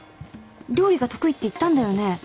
料理が得意って言ったんだよね